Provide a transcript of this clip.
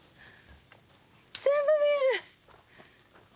全部見える！